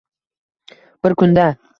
Bir kunda